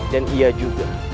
dan ia juga